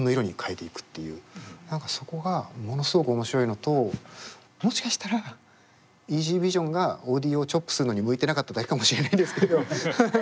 何かそこがものすごく面白いのともしかしたらＥＺＶｉｓｉｏｎがオーディオをチョップするのに向いてなかっただけかもしれないんですけど。